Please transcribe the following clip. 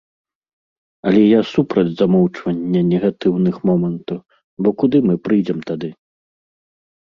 Але я супраць замоўчвання негатыўных момантаў, бо куды мы прыйдзем тады?